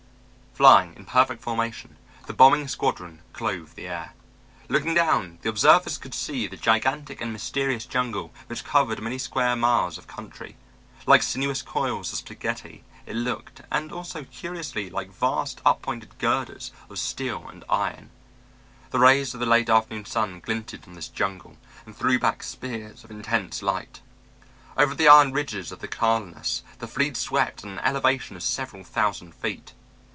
Flying in perfect formation, the bombing squadron clove the air. Looking down, the observers could see the gigantic and mysterious jungle which covered many square miles of country. Like sinuous coils of spaghetti, it looked, and also curiously like vast up pointed girders of steel and iron. The rays of the late afternoon sun glinted on this jungle and threw back spears of intense light. Over the iron ridges of the Catalinas the fleet swept at an elevation of several thousand feet.